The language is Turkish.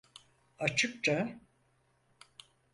Açıkça.